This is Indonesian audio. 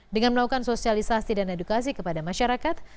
dengan melakukan sosialisasi dan edukasi kepada masyarakat